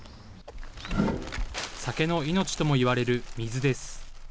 酒の命ともいわれる水です。